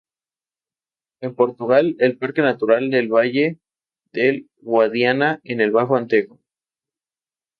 En Portugal el Parque Natural del Valle del Guadiana, en el Bajo Alentejo.